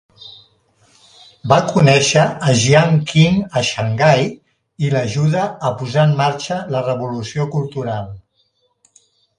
Va conèixer a Jian Qing a Xangai i l'ajudà a posar en marxa la Revolució cultural.